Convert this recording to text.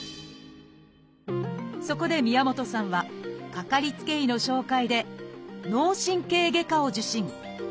そこで宮本さんはかかりつけ医の紹介で脳神経外科を受診。